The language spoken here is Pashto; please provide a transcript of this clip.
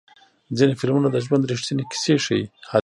ځینې فلمونه د ژوند ریښتینې کیسې ښیي.